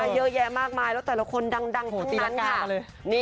เยอะแยะมากมายแล้วแต่ละคนดังทั้งนั้น